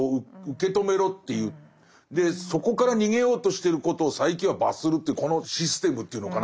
でそこから逃げようとしてることを佐柄木は罰するというこのシステムというのかな。